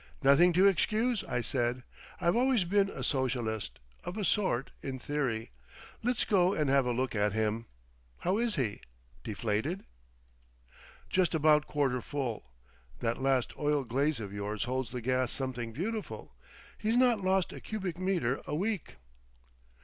"Nothing to excuse," I said. "I've always been a Socialist—of a sort—in theory. Let's go and have a look at him. How is he? Deflated?" "Just about quarter full. That last oil glaze of yours holds the gas something beautiful. He's not lost a cubic metre a week."...